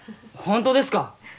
本当ですか？